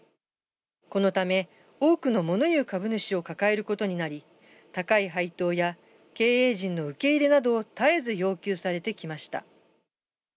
このため、多くのもの言う株主を抱えることになり、高い配当や経営陣の受け入れなどを絶えず要求されてきました。